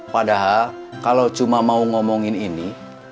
padahal kalau cuma mau ngomongin ini